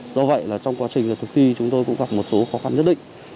do vậy là trong quá trình thực thi chúng tôi cũng gặp một số khó khăn nhất định